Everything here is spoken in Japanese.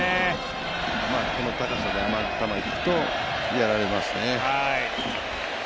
この高さで甘く球がいくとやられますね。